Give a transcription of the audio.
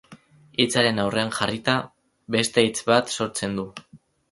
Hitzaren aurrean jarrita, beste hitz bat sortzen du.